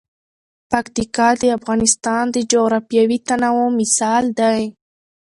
پکتیکا د افغانستان د جغرافیوي تنوع مثال دی.